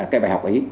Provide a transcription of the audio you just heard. cái bài học ấy